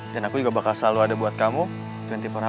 dan aku juga bakal selalu ada buat kamu dua puluh empat hour